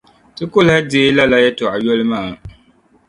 Ti ku lahi deei lala yεltɔɣa yoli maa.